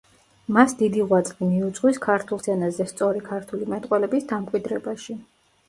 მას დიდი ღვაწლი მიუძღვის ქართულ სცენაზე სწორი ქართული მეტყველების დამკვიდრებაში.